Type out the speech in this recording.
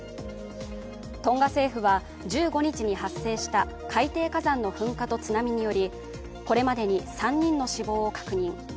トンガ政府は１５日に発生した海底火山の噴火と津波によりこれまでに３人の死亡を確認。